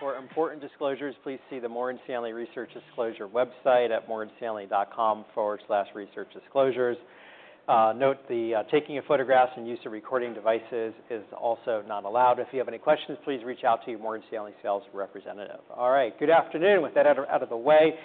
For important disclosures, please see the Morgan Stanley Research disclosure website at morganstanley.com/researchdisclosures. Note the taking of photographs and use of recording devices is also not allowed. If you have any questions, please reach out to your Morgan Stanley sales representative. All right, good afternoon. With that out of the way,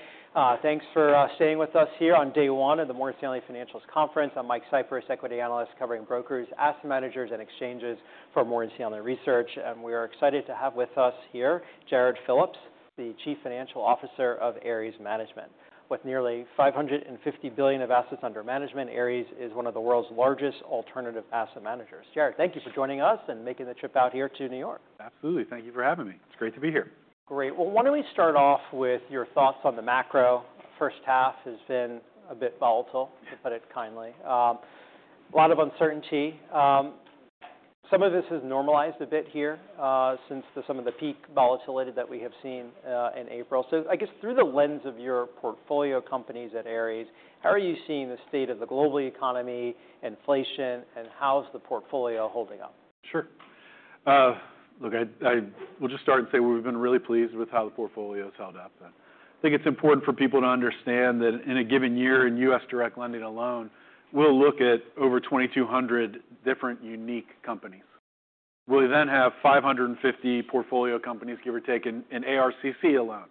thanks for staying with us here on day one of the Morgan Stanley Financials Conference. I'm Mike Cyprys, equity analyst covering brokers, asset managers and exchanges for Morgan Stanley Research. We are excited to have with us here Jarrod Phillips, the Chief Financial Officer of Ares Management. With nearly $550 billion of assets under management, Ares is one of the world's largest alternative asset managers. Jared, thank you for joining us and making the trip out here to New York. Absolutely. Thank you for having me. It's great to be here. Great. Why don't we start off with your thoughts on the macro. First half has been a bit volatile, to put it kindly, a lot of uncertainty. Some of this has normalized a bit here since some of the peak volatility that we have seen in April. I guess through the lens of your portfolio companies at Ares, how are you seeing the state of the global economy? Inflation and how's the portfolio holding up? Sure. Look, I will just start and say we've been really pleased with how the portfolio has held up. I think it's important for people to understand that in a given year in U.S. direct lending alone we'll look at over 2,200 different unique companies. We then have 550 portfolio companies, give or take, in ARCC alone.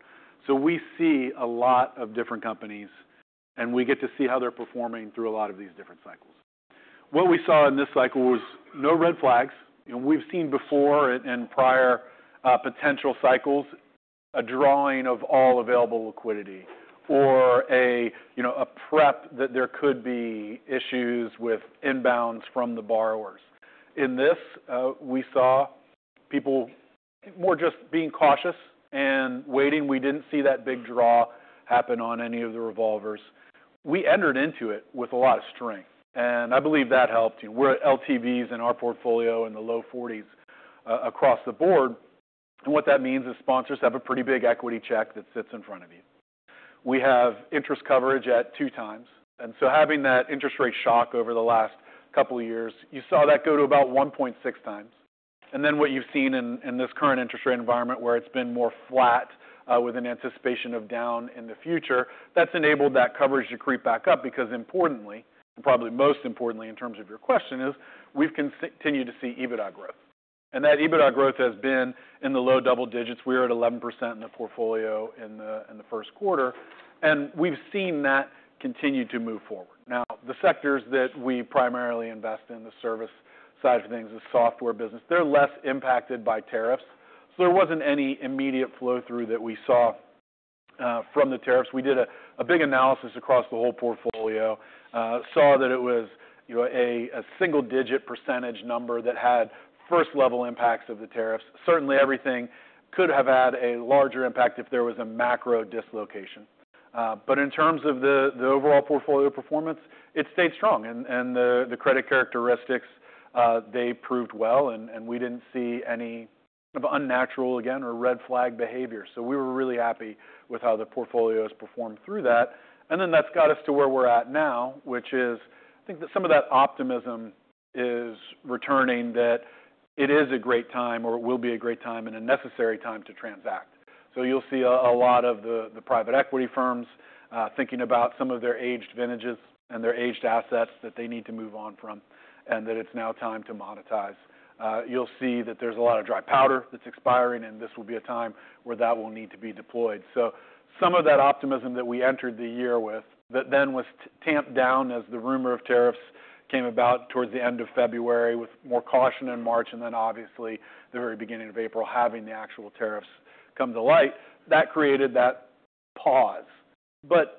We see a lot of different. Companies and we get to see how. They're performing through a lot of these different cycles. What we saw in this cycle was no red flags we've seen before in prior potential cycles. A drawing of all available liquidity or. A prep that there could be issues with inbounds from the borrowers. In this we saw people more just being cautious and waiting. We didn't see that big draw happen on any of the revolvers. We entered into it with a lot of strength and I believe that helped. We're at LTVs in our portfolio in the low 40s across the board. What that means is sponsors have a pretty big equity check that sits in front of you. We have interest coverage at 2x, and having that interest rate shock over the last couple of years, you saw that go to about 1.6x. What you've seen in this. Current interest rate environment where it's been more flat with an anticipation of down in the future, that's enabled that coverage to creep back up. Because importantly, and probably most importantly, in. In terms of your question, we've continued. To see EBITDA growth and that EBITDA. Growth has been in the low double digits. We are at 11% in the portfolio in the first quarter and we've seen that continue to move forward. Now, the sectors that we primarily invest in, the service side of things, the software business, they're less impacted by tariffs. So there wasn't any immediate flow through. That we saw from the tariffs. We did a big analysis across the whole portfolio, saw that it was a single-digit % number that had first-level impacts of the tariffs. Certainly everything could have had a larger impact if there was a macro dislocation. In terms of the overall portfolio performance, it stayed strong. The credit characteristics, they proved well. We did not see any unnatural again. Red flag behavior. We were really happy with how the portfolio has performed through that. That has got us to where we're at now, which is, I think. That some of that optimism is returning. That it is a great time or it will be a great time and a necessary time to transact. You'll see a lot of the private equity firms thinking about some of. Their aged vintages and their aged assets. That they need to move on from and that it's now time to monetize. You'll see that there's a lot of dry powder that's expiring, and this will be a time where that will need to be deployed. Some of that optimism that we. Entered the year with that then was. Tamped down as the rumor of tariffs came about towards the end of February with more caution in March and then obviously the very beginning of April having. The actual tariffs come to light, that created that pause.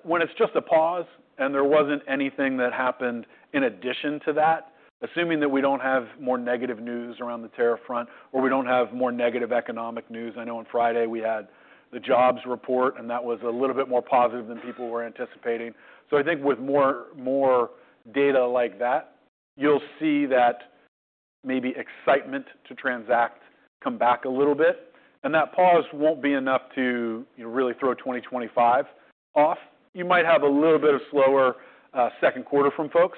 When it's just a pause and there wasn't anything that happened in addition to that, assuming that we don't have more negative news around the tariff front or we don't have more negative economic news, I know on Friday we had the jobs report and that was a little bit more positive than people were anticipating. I think with more, more data. Like that, you'll see that maybe excitement to transact come back a little bit. That pause won't be enough to. Really throw 2025 off. You might have a little bit of slower second quarter from folks,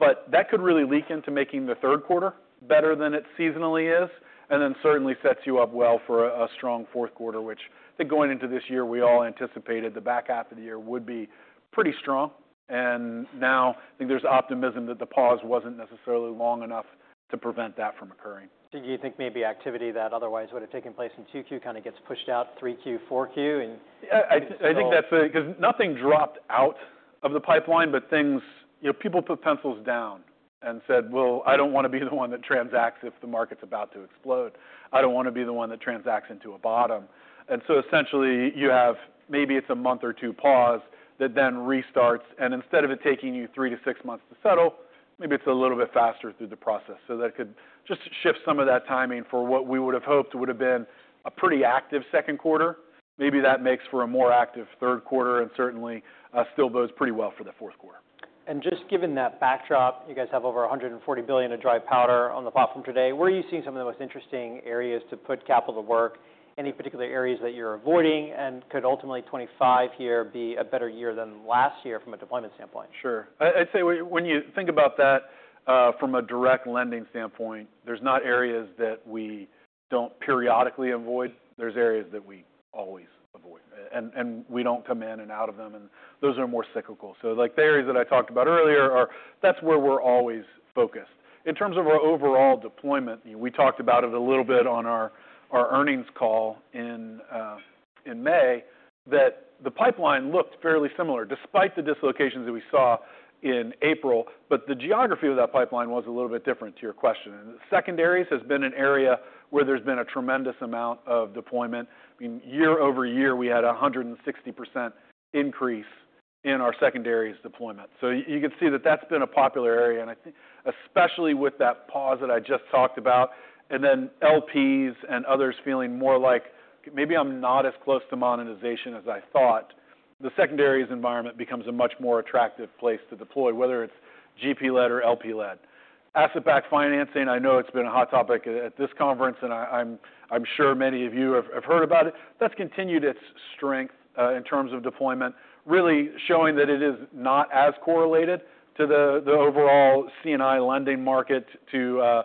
but that could really leak into making the third quarter better than it seasonally is. It certainly sets you up well for a strong fourth quarter, which going into this year we all anticipated the back half of the year would be pretty strong. Now I think there's optimism that. The pause wasn't necessarily long enough to. Prevent that from occurring. Do you think maybe activity that otherwise would have taken place in 2Q kind of gets pushed out 3Q, 4Q and A? I think that's because nothing dropped out of the pipeline but things, you know. People put pencils down and said, well. I don't want to be the one that transacts if the market's about to explode, I don't want to be the one that transacts into a bottom. Essentially, you have maybe it's a month or two pause that then restarts and instead of it taking you three to six months to settle, maybe it's a little bit faster through the process. That could just shift some of that timing for what we would have hoped would have been a pretty active second quarter. Maybe that makes for a more active. Third quarter and certainly still bodes pretty well for the fourth quarter. Just given that backdrop, you guys have over $140 billion of dry powder on the platform today. Where are you seeing some of the most interesting areas to put capital to work? Any particular areas that you're avoiding? Could ultimately 2025 here be a better year than last year from a deployment standpoint? I'd say when you think about that from a direct lending standpoint, there's not. Areas that we don't periodically avoid, there's. Areas that we always avoid and we do not come in and out of them. Those are more cyclical. Like the areas that I talked about earlier, that is where we are always focused in terms of our overall deployment. We talked about it a little bit. On our earnings call in May, that. The pipeline looked fairly similar despite the dislocations that we saw in April. The geography of that pipeline was a little bit different to your question. Secondaries has been an area where there's. Been a tremendous amount of deployment year-over-year. We had 160% increase in our secondaries deployment. You can see that that's been a popular area. I think especially with that pause that I just talked about and then LPs and others feeling more like maybe I'm not as close to monetization as I thought, the Secondaries environment becomes a much more attractive place to deploy, whether it's GP led or LP led asset-backed financing. I know it's been a hot topic at this conference, and I'm sure many of you have heard about it, that's continued its strength in terms of deployment. Really showing that it is not as. Correlated to the overall CNI lending market, to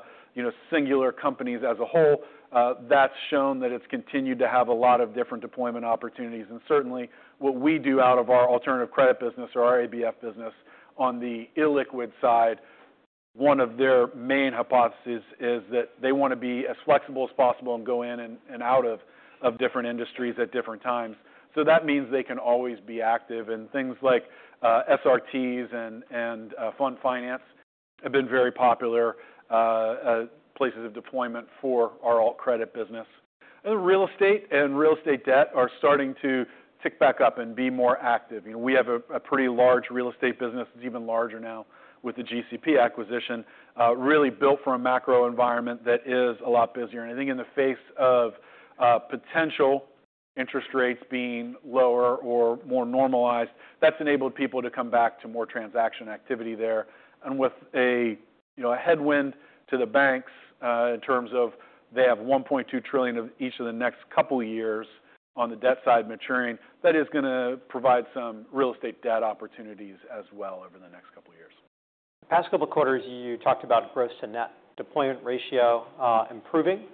singular companies as a whole. That has shown that it has continued to have a lot of different deployment opportunities and certainly what we do out of our alternative credit business or our ABF business. On the illiquid side, one of their. Main hypothesis is that they want to be as flexible as possible and go in and out of different industries at different times. That means they can always be active. Things like SRTs and fund finance have been very popular places of deployment for our alt credit business. Real estate and real estate debt are starting to tick back up and be more active. We have a pretty large real estate business. It is even larger now with the GCP acquisition. Really built for a macro environment that is a lot busier and I think. In the face of potential interest rates. Being lower or more normalized, that's enabled people to come back to more transaction. Activity there and with a, you know. A headwind to the banks in terms of they have $1.2 trillion of each. Of the next couple years on the. Debt side maturing that is going to provide some real estate debt opportunities as well over the next couple of years. Past couple quarters you talked. About gross to net deployment ratio improving,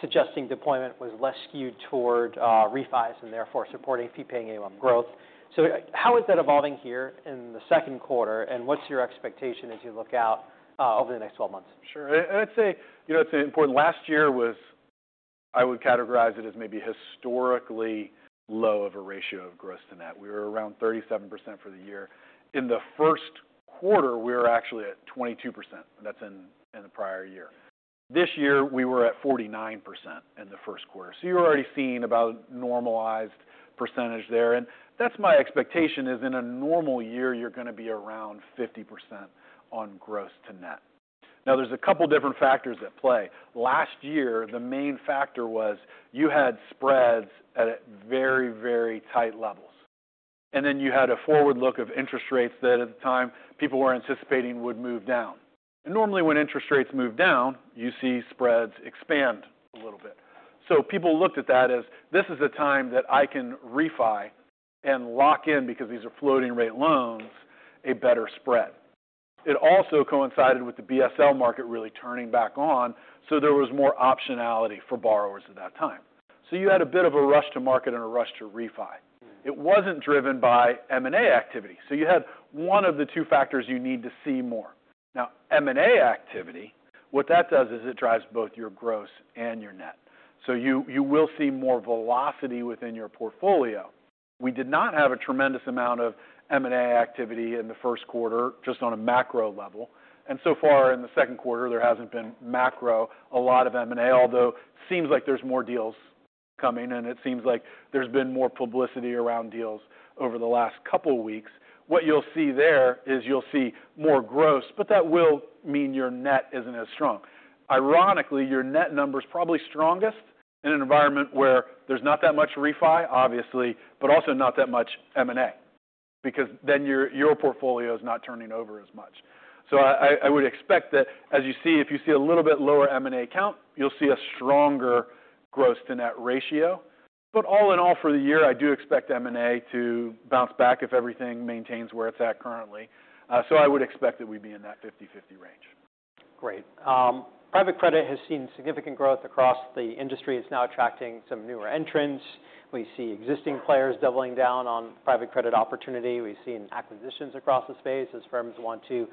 suggesting deployment was less skewed toward refis and therefore supporting fee paying A growth. How is that evolving here in the second quarter? What's your expectation as you look out over the next 12 months? Sure, and I'd say, you know, it's important. Last year was, I would categorize it as maybe historically low of a ratio. Of gross to net. We were around 37% for the year. In the first quarter we were actually at 22%. That's in the prior year. This year we were at 49% in the first quarter. You're already seeing about normalized percentage there. That's my expectation is in a normal year you're going to be around 50% on gross to net. Now there's a couple different factors at play. Last year the main factor was you had spreads at very, very tight levels. You had a forward look. Of interest rates that at the time people were anticipating would move down. Normally when interest rates move down, you see spreads expand a little bit. People looked at that as this is a time that I can refi and lock in because these are floating rate loans, a better spread. It also coincided with the BSL market. Really turning back on. There was more optionality for borrowers at that time. You had a bit of a rush to market and a rush to refi. It was not driven by M&A activity. You had one of the two factors. You need to see more now, M&A activity. What that does is it drives both your gross and your net. You will see more velocity within your portfolio. We did not have a tremendous amount. Of M&A activity in the first quarter, just on a macro level. In the second quarter there has not been, on a macro level, a lot of M&A. Although seems like there's more deals coming. It seems like there's been more publicity around deals over the last couple weeks. What you'll see there is you'll see more gross, but that will mean your net isn't as strong. Ironically, your net number is probably strongest. In an environment where there's not that. Much refi, obviously, but also not that. Much M&A because then your. Portfolio is not turning over as much. I would expect that as you see, if you see a little bit lower M&A count, you'll see a stronger gross to net ratio. All in all, for the year. I do expect M&A to bounce back if everything maintains where it's at currently. So I would expect that we'd be in that 50-50 range. Great. Private credit has seen significant growth across the industry. It's now attracting some newer entrants. We see existing players doubling down on private credit opportunity. We've seen acquisitions across the space as firms want to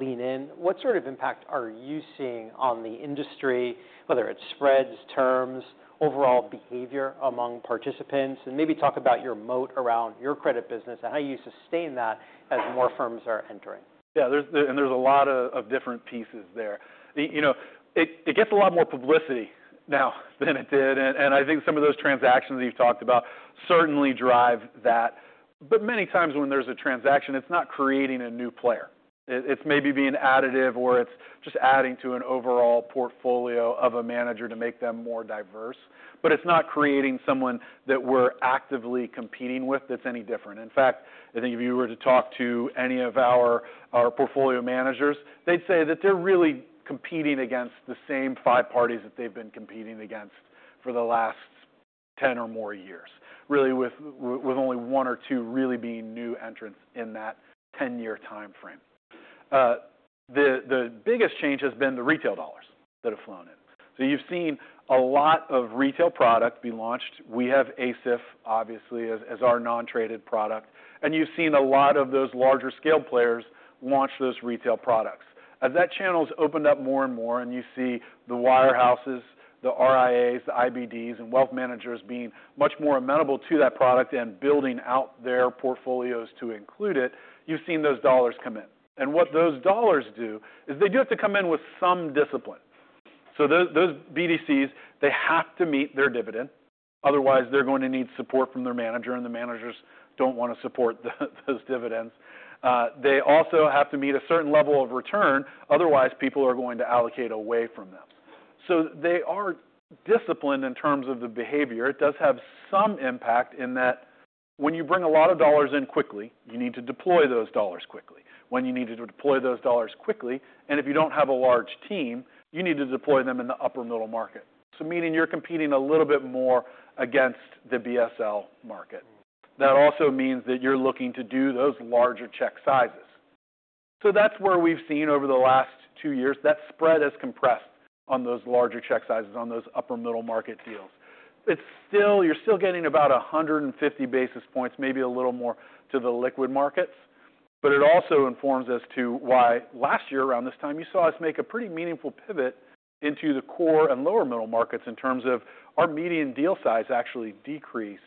lean in. What sort of impact are you seeing on the industry? Whether it's spreads, terms, overall behavior among participants, and maybe talk about your moat around your credit business and how you sustain that as more firms are entering. Yeah, and there's a lot of different pieces there. You know, it gets a lot more publicity now than it did. I think some of those transactions you've talked about certainly drive that. Many times when there's a transaction. It's not creating a new player, it's. Maybe being additive or it's just adding to an overall portfolio of a manager to make them more diverse. It's not creating someone that we're actively competing with that's any different. In fact, I think if you were to talk to any of our portfolio managers, they'd say that they're really competing against the same five parties that they've been competing against for the last 10 or more years really, with only one or two really being new entrants. In that 10 year timeframe, the biggest change has been the retail dollars that have flown in. You've seen a lot of retail product be launched. We have ASIF obviously as our non traded product. You've seen a lot of those larger scale players launch those retail products. As that channel's opened up more and more and you see more of the wire houses, the RIAs, the IBDs and wealth managers being much more amenable to that product and building out their portfolios to include it. You've seen those dollars come in and what those dollars do is they do have to come in with some discipline. Those BDCs, they have to meet. Their dividend, otherwise they're going to need. Support from their manager. The managers do not want to support those dividends. They also have to meet a certain level of return otherwise people are going to allocate away from them. They are disciplined in terms of the behavior. It does have some impact in that when you bring a lot of dollars in quickly, you need to deploy those dollars quickly. When you need to deploy those dollars quickly and if you do not have a large team, you need to deploy them in the upper middle market. Meaning you are competing a little bit. More against the BSL market, that also. Means that you're looking to do those larger check sizes. That is where we've seen over the last two years that spread has compressed. On those larger check sizes on those. Upper middle market deals. You're still getting about 150 basis points, maybe a little more to the liquid markets. It also informs us to why last year around this time you saw. Us make a pretty meaningful pivot into. The core and lower middle markets in terms of our median deal size actually. Decreased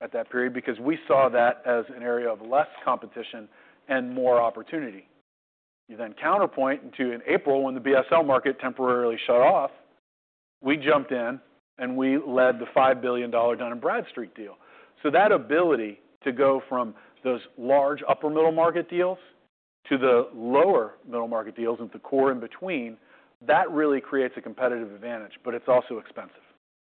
at that period because we saw. That as an area of less competition and more opportunity. You then counterpoint to in April when. The BSL market temporarily shut off, we jumped in and we led the $5 billion. Billion Dun & Bradstreet deal. That ability to go from those. Large upper middle market deals to the. Lower middle market deals and the core. In between, that really creates a competitive. Advantage, but it's also expensive.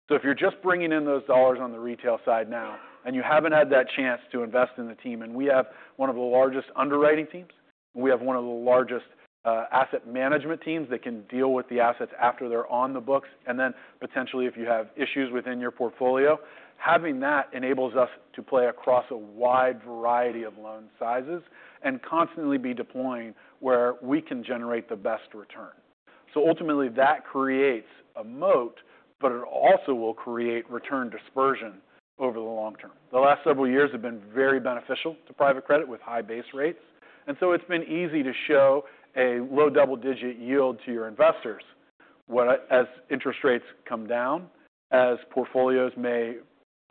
If you're just bringing in those. Dollars on the retail side now and you haven't had that chance to invest in the team, and we have one. Of the largest underwriting teams, we have one of the largest asset management teams. That can deal with the assets after they're on the books. Then potentially if you have issues within your portfolio, having that enables us to play across a wide variety of loan sizes and constantly be deploying where we can generate the best return. Ultimately that creates a moat. It also will create return dispersion over the long term. The last several years have been very beneficial to private credit with high base rates. It's been easy to show. A low double-digit yield to your. Investors as interest rates come down. As portfolios may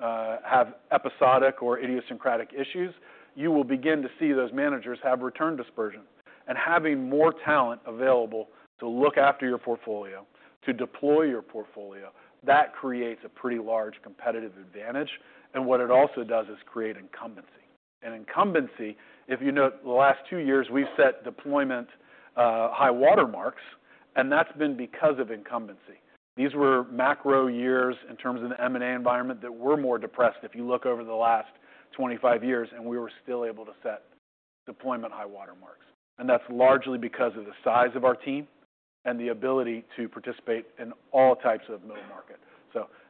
have episodic or idiosyncratic. Issues, you will begin to see those managers have return dispersion and having more. Talent available to look after your portfolio. To deploy your portfolio. That creates a pretty large competitive advantage. What it also does is create incumbency. If you note the last two years we have set deployment high water marks and that has been because of incumbency. These were macro years in terms of. The M&A environment that were more depressed. If you look over the last 25 years and we were still able to. Set deployment high water marks. That's largely because of the size. Of our team and the ability to. Participate in all types of middle market.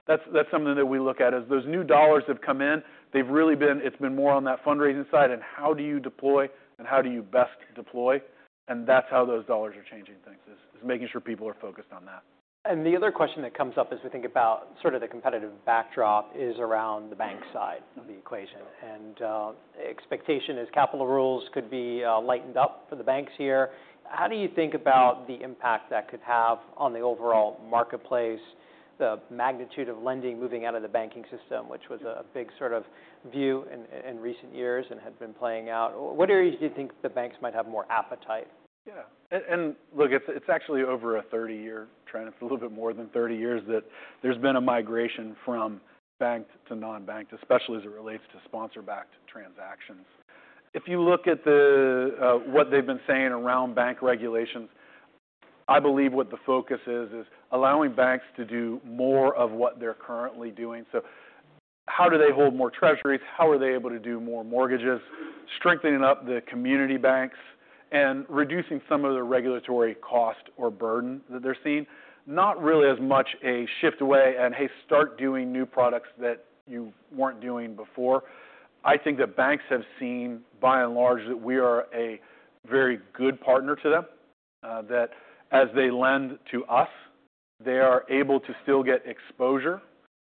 That is something that we look at as those new dollars have come in. They have really been, it has been more on that fundraising side and how do you dep and how do you best deploy. That's how those dollars are changing. Things, is making sure people are focused on that. The other question that comes up as we think about sort of the competitive backdrop is around the bank side of the equation and expectation is capital rules could be lightened up for the banks here. How do you think about the impact that could have on the overall marketplace? The magnitude of lending moving out of the banking system, which was a big sort of view in recent years and had been playing out. What areas do you think the banks might have more appetite? Yeah, and look, it's actually over a 30 year trend. It's a little bit more than 30 years that there's been a migration from banked to non banked, especially as it relates to sponsor backed transactions. If you look at what they've been saying around bank regulations, I believe what the focus is is allowing banks to do more of what they're currently doing. How do they hold more Treasuries? How are they able to do more mortgages, strengthening up the community banks and reducing some of the regulatory cost or burden that they're seeing? Not really as much a shift away and hey, start doing new products that you were not doing before. I think that banks have seen by and large that we are a very. Good partner to them, that as they lend to us, they are able to still get exposure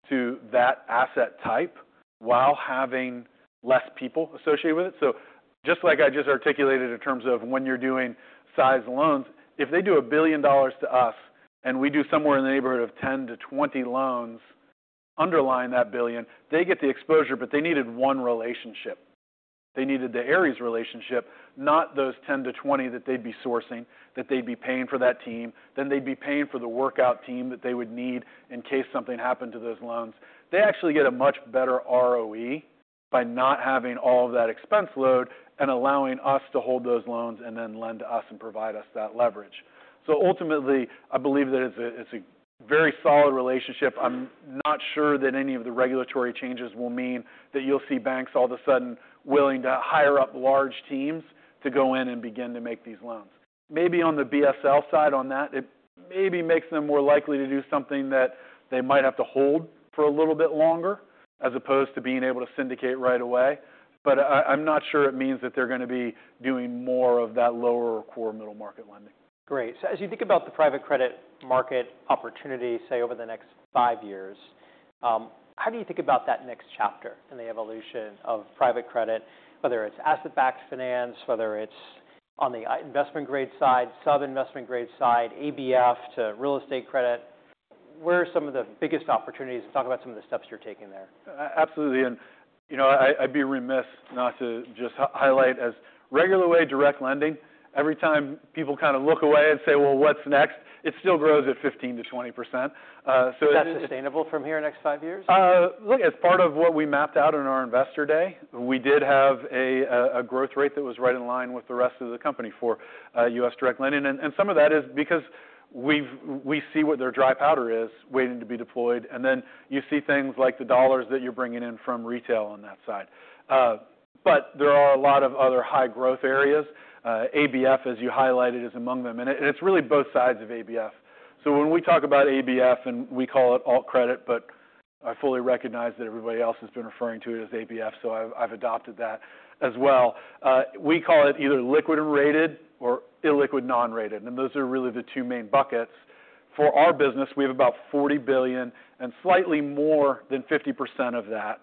to that asset type while having less people associated with it. Just like I just articulated in terms of when you're doing size loans. If they do a billion dollars to us and we do somewhere in the neighborhood of 10-20 loans underlying. That billion, they get the exposure. They needed one relationship. They needed the Ares relationship, not those. 10-20 that they'd be sourcing, that they'd be paying for that team, then they'd be paying for the workout team that they would need in case something happened to those loans. They actually get a much better ROE. By not having all of that expense. Load and allowing us to hold those loans and then lend to us and provide us that leverage. Ultimately, I believe that it's a very solid relationship. I'm not sure that any of the regulatory changes will mean that you'll see banks all of a sudden willing to hire up large teams to go in and begin to make these loans. Maybe on the BSL side, it maybe makes them more likely to do something that they might have to. Hold for a little bit longer, as. Opposed to being able to syndicate right away. I'm not sure it means that. They're going to be doing more of that lower or core middle market lending. Great. As you think about the private credit market opportunity, say over the next five years, how do you think about that next chapter in the evolution of private credit, whether it's asset-backed finance, whether it's on the investment grade side, sub investment grade side, ABF to real estate credit. Where are some of the biggest opportunities? Talk about some of the steps you're taking there. Absolutely. You know, I'd be remiss not. To just highlight as regular way direct lending. Every time people kind of look away and say, well, what's next? It still grows at 15%-20%. Is that sustainable from here next five years? Look, it's part of what we mapped out in our investors. We did have a growth rate that was right in line with the rest of the company for us direct lending. Some of that is because we see what their dry powder is waiting to be deployed. You see things like the dollars that you're bringing in from retail on that side. There are a lot of other high growth areas. ABF as you highlighted is among them. It's really both sides of ABF. When we talk about ABF and. We call it alt credit, but I. Fully recognize that everybody else has been referring to it as ABF, so I have adopted that as well. We call it either liquid rated or illiquid non-rated. Those are really the two main buckets for our business. We have about $40 billion and slightly. More than 50% of that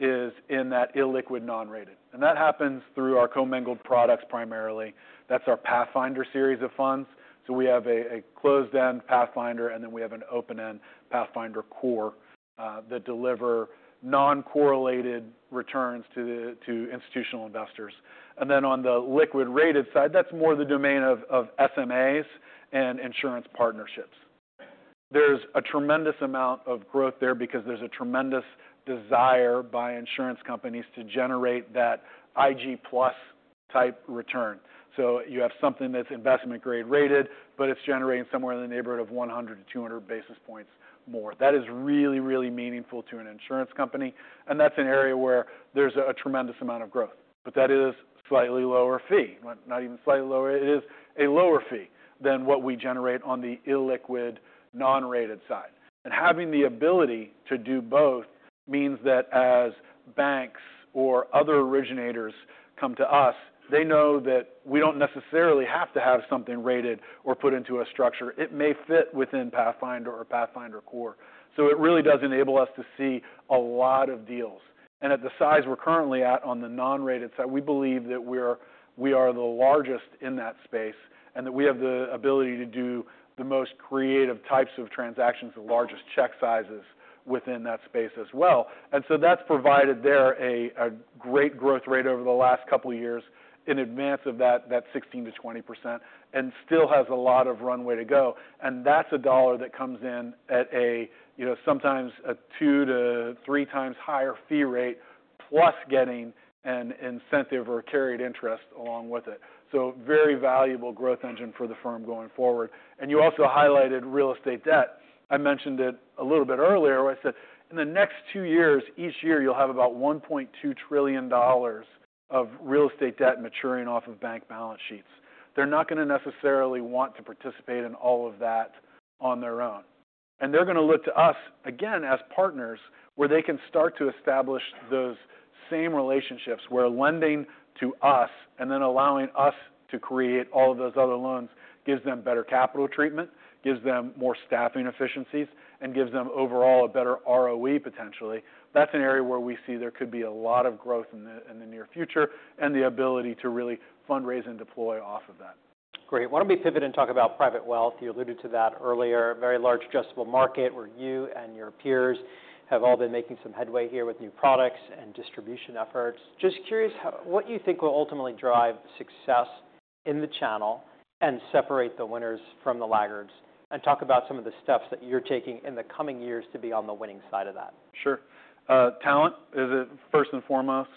is in. That illiquid non-rated. That happens through our commingled products primarily. That is our Pathfinder series of funds. We have a closed-end Pathfinder and then we have an open-end. Pathfinder core that deliver non-correlated returns to institutional investors. On the liquid rated side that's more the domain of SMAs and insurance partnerships. There's a tremendous amount of growth there. Because there's a tremendous desire by insurance companies to generate that IG+ type return. You have something that's investment grade rated, but it's generating somewhere in the neighborhood of 100-200 basis points more that is really, really meaningful to an insurance company. That is an area where there's a tremendous amount of growth. That is slightly lower fee, not even slightly lower. It is a lower fee than what we generate on the illiquid non rated side. Having the ability to do both. Means that as banks or other originators come to us, they know that we do not necessarily have to have something rated or put into a structure. It may fit within Pathfinder or Pathfinder Core. It really does enable us to see a lot of deals. At the size we're currently at. On the non-rated side, we believe that we are the largest in that space and that we have the ability to do the most creative types of transactions, the largest check sizes within that space as well. That has provided a great growth rate over the last couple years in advance of that 16%-20% and still has a lot of runway to go. That is a dollar that comes in at a, you know, sometimes a two to three times higher fee rate plus. Getting an incentive or carried interest along with it. Very valuable growth engine for the firm going forward. You also highlighted real estate debt. I mentioned it a little bit earlier. I said in the next two years, each year you'll have about $1.2 trillion of real estate debt maturing off of bank balance sheets. They're not going to necessarily want to. Participate in all of that on their own. They're going to look to us again as partners where they can start. To establish those same relationships where lending to us and then allowing us to create all of those other loans gives them better capital treatment, gives them more staffing efficiencies, and gives them overall a better ROE potentially. That is an area where we see there could be a lot of growth in the near future and the ability to really fundraise and deploy off of that. Great. Why don't we pivot and talk about private wealth? You alluded to that earlier. Very large addressable market where you and your peers have all been making some headway here with new products and distribution efforts. Just curious what you think will ultimately drive success in the channel and separate the winners from the laggards and talk about some of the steps that you're taking in the coming years to be on the winning side of that. Sure. Talent is first and foremost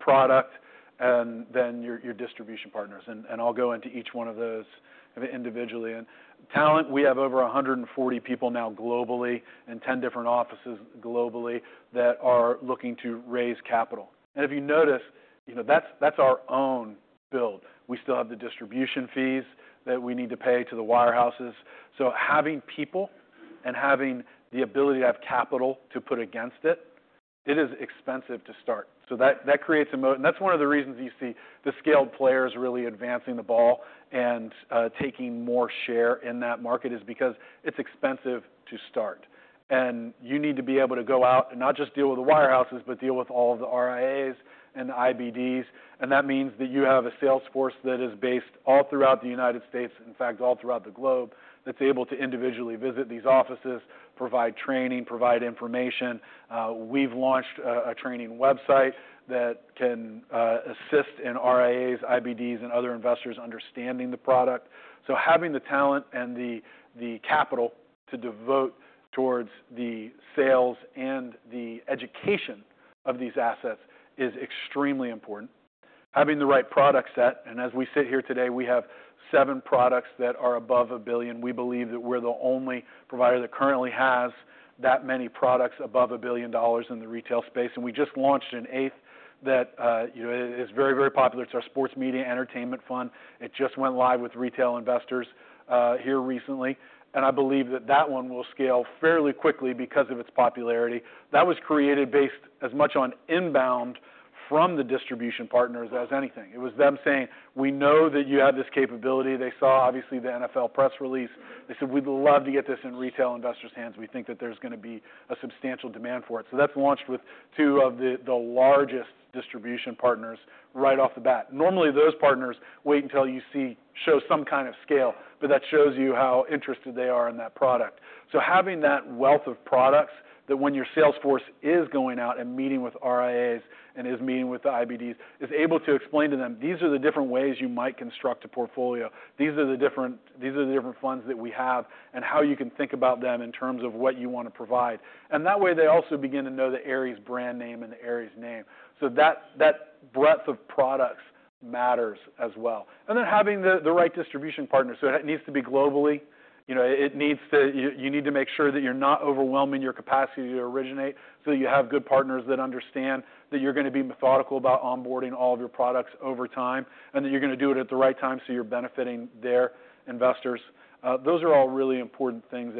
product and then your distribution partners. I'll go into each one of those individually. Talent, we have over 140 people now globally in 10 different offices globally that are looking to raise capital. If you notice, you know that's our own build. We still have the distribution fees that we need to pay to the wirehouses. Having people and having the ability. To have capital to put against is expensive to start. That creates a moat. That is one of the reasons you see the scaled players really advancing the ball and taking more share in that market, because it is expensive to start. You need to be able to go out and not just deal with the wirehouses, but deal with all of the RIAs and IBDs. That means you have a sales force that is based all throughout the United States, in fact all throughout the globe, that is able to individually visit these offices, provide training, provide information. We have launched a training website that can assist in RIAs, IBDs, and other investors understanding the product. Having the talent and the capital to devote towards the sales and the education of these assets is extremely important. Having the right product set, and as we sit here today, we have seven products that are above $1 billion. We believe that we're the only provider that currently has that many products above a billion dollars in the retail space. We just launched an eighth that is very, very popular. It's our Sports Media Entertainment Fund. It just went live with retail investors here recently and I believe that that one will scale fairly quickly because of its popularity. That was created based as much on inbound from the distribution partners as anything. It was them saying we know that you have this capability. They saw obviously the NFL press release, they said, we'd love to get this in retail investors' hands. We think that there's going to be a substantial demand for it. That's launched with two of the largest distribution partners right off the bat. Normally those partners wait until you show some kind of scale, but that shows you how interested they are in that product. Having that wealth of products that when your sales force is going out and meeting with RIAs and is meeting with the IBDs is able to explain to them these are the different ways you might construct a portfolio. These are the different funds that we have and how you can think about them in terms of what you want to provide. That way they also begin to know the Ares brand name and the Ares name. That breadth of products matters as well. Then having the right distribution partner. It needs to be globally, you know, it needs to. You need to make sure that you're not overwhelming your capacity to originate. You have good partners that understand that you're going to be methodical about onboarding all of your products over time and that you're going to do it at the right time so you're benefiting their investors. Those are all really important things.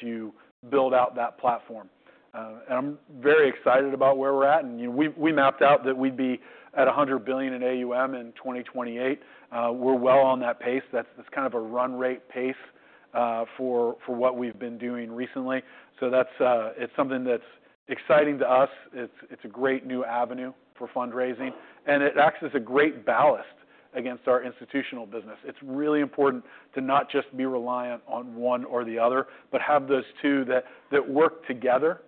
You build out that platform. I'm very excited about where we're at. We mapped out that we'd be at $100 billion in AUM in 2028. We're well on that pace. That's kind of a run rate pace for what we've been doing recently. It's something that's exciting to us. It's a great new avenue for fundraising and it acts as a great ballast against our institutional business. It's really important to not just be reliant on one or the other, but. Have those two that work together.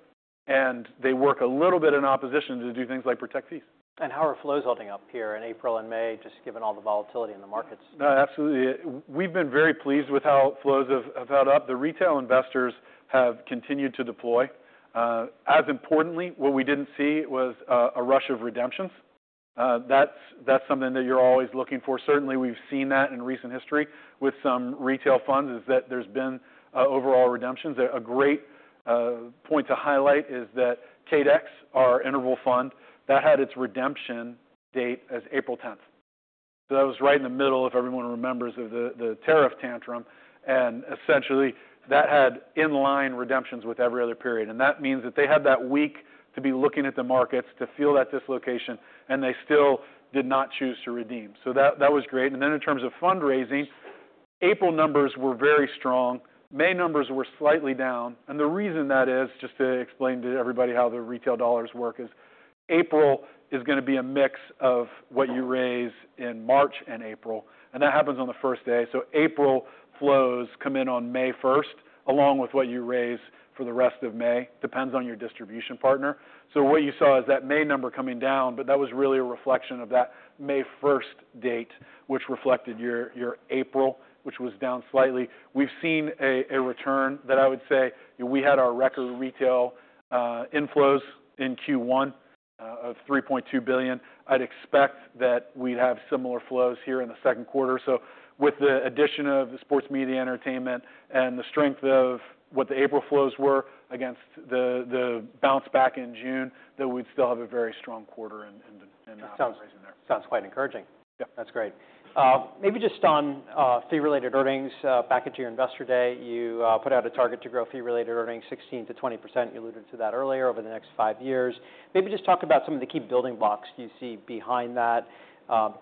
They work a little bit in opposition to do things like protect fees. How are flows holding up here in April and May, just given all the volatility in the markets? Absolutely. We've been very pleased with how flows have held up. The retail investors have continued to deploy as importantly. What we didn't see was a rush of redemptions. That's something that you're always looking for. Certainly we've seen that in recent history with some retail funds is that there's been overall redemptions. A great point to highlight is that TAT, our interval fund that had its. Redemption date as April 10, that was. Right in the middle, if everyone remembers, of the tariff tantrum. That had in line redemptions with every other period. That means that they had that. Week to be looking at the markets to feel that dislocation and they still did not choose to redeem. That was great. In terms of fundraising, April. Numbers were very strong. May numbers were slightly down. The reason that is just to. Explain to everybody how the retail dollars. Work is April is going to be. A mix of what you raise in March and April and that happens on the first day. April flows come in on May 1 along with what you raise for the rest of May depends on your distribution partner. What you saw is that May number coming down. That was really a reflection of that May 1 date which reflected your April which was down slightly. We have seen a return that I would say we had our record retail inflows. In Q1 of $3.2 billion. I'd expect that we'd have similar flows here in the second quarter. With the addition of the sports media entertainment and the strength of what the April flows were against the bounce back in June, that we'd still have a very strong quarter in there. Sounds quite encouraging. That's great. Maybe just on fee-related earnings, back at your investor day, you put out a target to grow fee-related earnings to 16%-20%. You alluded to that earlier. Over the next five years. Maybe just talk about some of the key building blocks you see behind that.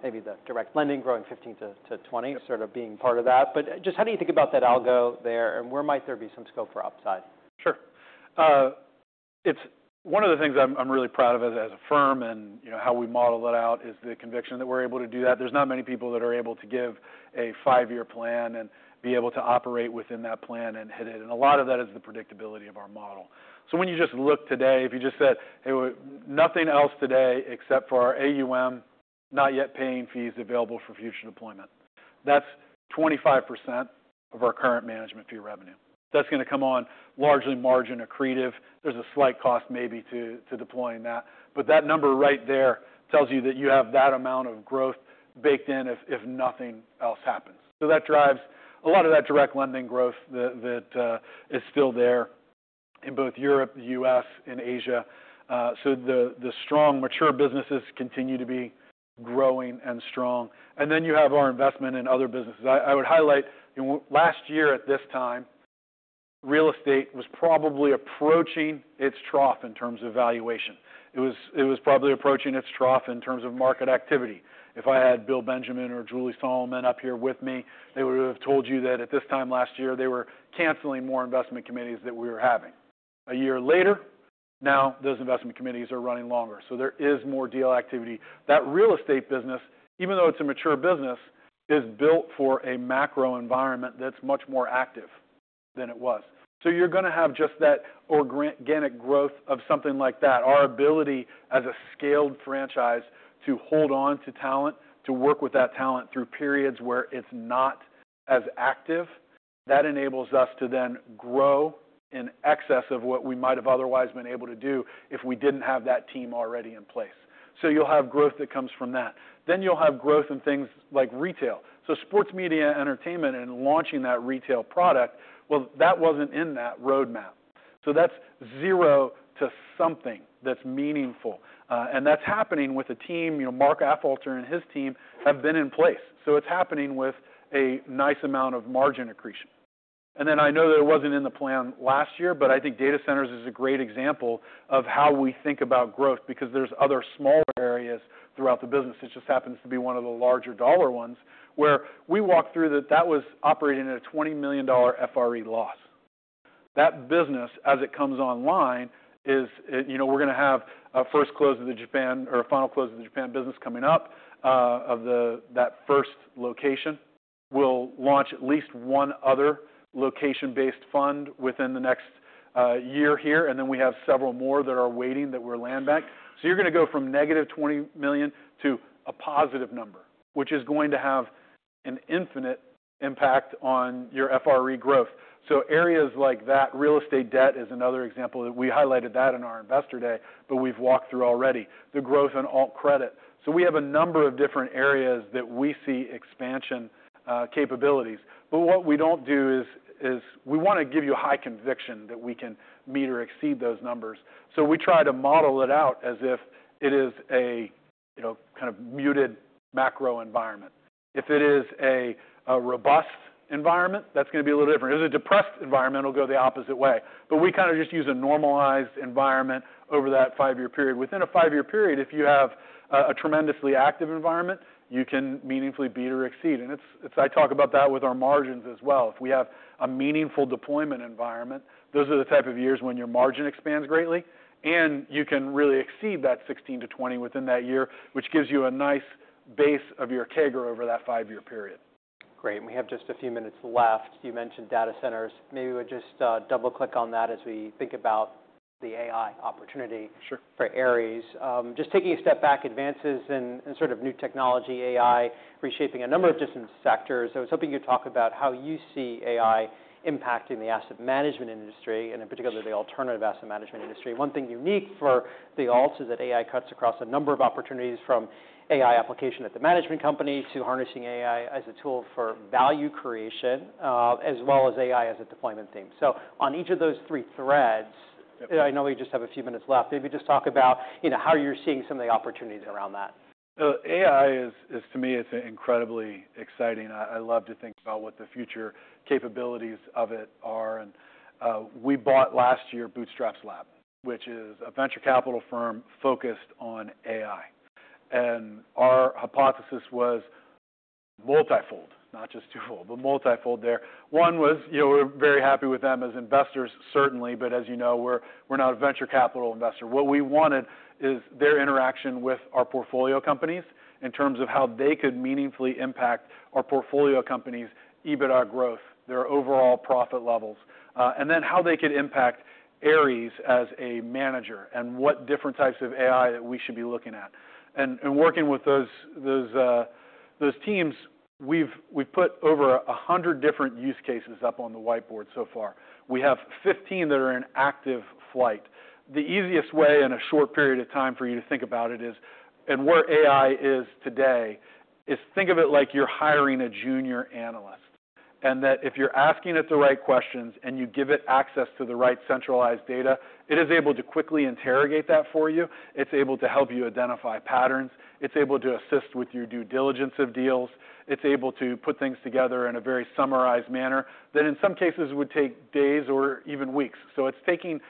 Maybe the direct lending growing 15%-20% sort of being part of that. Just how do you think about that algo there and where might there be some scope for upside? Sure. It's one of the things I'm really. Proud of as a firm and how we model it out is the conviction that we're able to do that. There's not many people that are able to give a five year plan and be able to operate within that plan and hit it. A lot of that is the predictability of our model. When you just look today, if you just said nothing else today except. For our AUM not yet paying fees available for future deployment, that's 25% of. Our current management fee revenue. That's going to come on largely margin accretive. There's a slight cost maybe to deploying that, but that number right there tells you that you have that amount of growth baked in if nothing else happens. That drives a lot of that direct lending growth that is still there in both Europe, the U.S. and Asia. The strong mature businesses continue to. Be growing and strong. You have our investment in other businesses. I would highlight last year at this. Time, real estate was probably approaching its trough in terms of valuation. It was probably approaching its trough in terms of market activity. If I had Bill Benjamin or Julie Solomon up here with me, they would have told you that at this time last year they were canceling more investment. Committees that we were having a year later. Now those investment committees are running longer. So there is more deal activity. That real estate business, even though it's a mature business, is built for a macro environment that's much more active than it was. You're going to have just that. Organic growth of something like that. Our ability as a scaled franchise to hold on to talent, to work with that talent through periods where it's not. As active, that enables us to then grow in excess of what we might. Have otherwise been able to do if we did not have that team already in place. You will have growth that comes from that. You will have growth in things like retail, so sports media, entertainment and launching that retail product. That was not in that roadmap. That is zero to something that is meaningful and that is happening with a team. You know, Mark Athalter and his team have been in place. It is happening with a nice amount of margin accretion. I know that it wasn't. In the plan last year, but I think data centers is a great example of how we think about growth because there's other smaller areas throughout the business. It just happens to be one of the larger dollar ones where we walk through that that was operating at a. $20 million FRE loss. That business as it comes online is, you know, we're going to have a first close of the Japan or final close of the Japan business coming up of that first location. We'll launch at least one other location. Based fund within the next year here and then we have several more that are waiting that were land backed. So you're going to go from negative $20 million to a positive number, which. Is going to have an infinite impact. On your FRE growth. Areas like that, real estate debt is another example that we highlighted in our investor day. We have already walked through the growth in alt credit. We have a number of different areas that we see expansion capabilities. What we want to do is give you high conviction that we can meet or exceed those numbers. We try to model it out as if it is a, you know. Kind of muted macro environment. If it is a robust environment, that's going to be a little different. If it's a depressed environment, it'll go the opposite way. We kind of just use a normalized environment over that five year period. Within a five year period, if you have a tremendously active environment, you can meaningfully beat or exceed. I talk about that with our margins as well. If we have a meaningful deployment environment, those are the type of years when your margin expansion expands greatly and you can really exceed that 16%-20% within that year, which gives you a nice base of your CAGR over that five year period. Great. We have just a few minutes left. You mentioned data centers. Maybe we'll just double click on that as we think about the AI opportunity for Ares. Just taking a step back. Advances in sort of new technology, AI reshaping a number of different sectors. I was hoping you'd talk about how you see AI impacting the asset management industry and in particular the alternative asset management industry. One thing unique for the alts is that AI cuts across a number of opportunities from AI application at the management company to harnessing AI as a tool for value creation as well as AI as a deployment theme. On each of those three threads, I know we just have a few minutes left. Maybe just talk about, you know, how you're seeing some of the opportunities around that. AI is, to me it's incredibly exciting. I love to think about what the future capabilities of IT are. We bought last year Bootstraps Lab, which is a venture capital firm focused on AI. Our hypothesis was multifold. Not just twofold, but multifold. There one was, you know, we're very happy with them as investors certainly. But as you know, we're not a venture capital investor. What we wanted is their interaction with our portfolio companies in terms of how they could meaningfully impact our portfolio companies' EBITDA growth, their overall profit levels, and then how they could impact Ares as a manager and what different types of AI that we should be looking at and working with those teams. We've put over 100 different use cases up on the whiteboard. So far we have 15 that are in active flight. The easiest way in a short period of time for you to think about it is, and where AI is today is think. Of it like you're hiring a junior analyst and that if you're asking it. The right questions and you give it access to the right centralized data, it. Is able to quickly interrogate that for you. It's able to help you identify patterns, it's able to assist with your due diligence of deals, it's able to put things together in a very summarized manner that in some cases would take days or even weeks. It's taking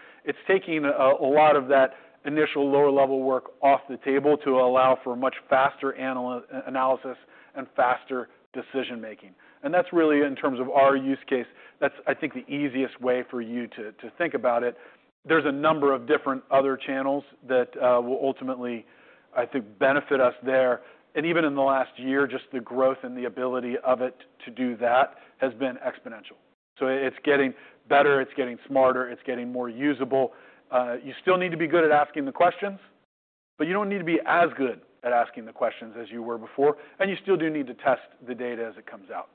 a lot of that initial lower level work off the table to allow for much faster analysis and faster decision making. That's really in terms of our use case, that's I think the easiest way for you to think about it. There's a number of different other channels that will ultimately I think benefit us there. Even in the last year, just the growth and the ability of it to do that has been exponential. It's getting better, it's getting smarter, it's getting more usable. You still need to be good at. Asking the questions, but you do not need. To be as good at asking the questions as you were before. You still do need to test the data as it comes out.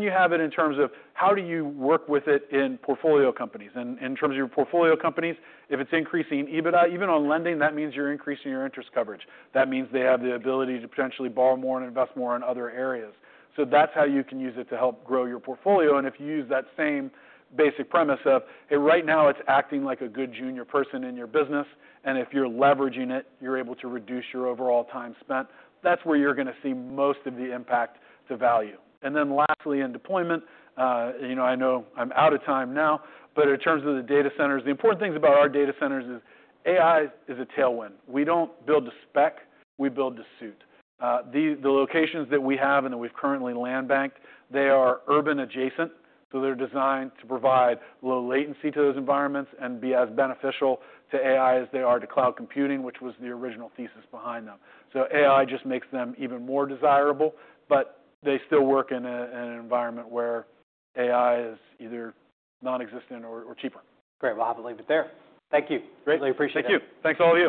You have it in terms of how do you work with it in portfolio companies. In terms of your portfolio companies, if it's increasing EBITDA, even on lending, that means you're increasing your interest coverage. That means they have the ability to potentially borrow more and invest more in other areas. That is how you can use it to help grow your portfolio. If you use that same basic premise of hey, right now it's acting like a good junior person in your business and if you're leveraging it, you're able to reduce your overall time spent, that's where you're going to see most of the impact to value. Lastly in deployment, you know, I know I'm out of time now, but in terms of the data centers, the important things about our data centers is AI is a tailwind. We don't build to spec, we build to suit the locations that we have. We have currently land banked them. They are urban adjacent, so they are designed to provide low latency to those environments and be as beneficial to AI as they are to cloud computing, which was the original thesis behind them. AI just makes them even more desirable, but they still work in an. Environment where AI is either non existent or cheaper. Great, we'll have to leave it there. Thank you, greatly appreciate it. Thank you. Thanks all of you.